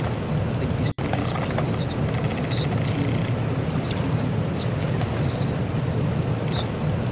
Li disponis pri listo da adresoj, kie li povis iri vespermanĝi sen antaŭa anonco.